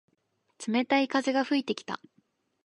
冷たい風が吹いてきた。